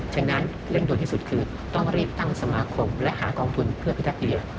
ฉะนั้นเร่งด่วนที่สุดคือต้องรีบตั้งสมาคมและหากองทุนเพื่อพิทักเรือ